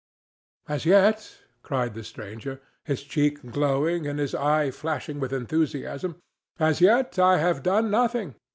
"As yet," cried the stranger, his cheek glowing and his eye flashing with enthusiasm—"as yet I have done nothing.